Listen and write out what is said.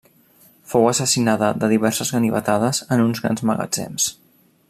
Fou assassinada de diverses ganivetades en uns grans magatzems.